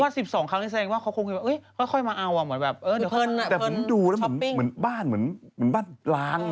เพราะว่า๑๒ครั้งก็แจ้งว่าเขาคงคิดว่าเฮ้ยค่อยมาเอาอ่ะเหมือนแบบเหมือนดูแล้วเหมือนบ้านล้าง